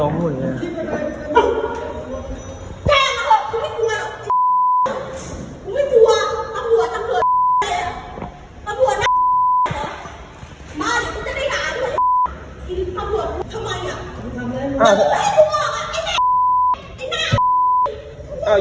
นุ้นไม่เอาไปมีร้านอีก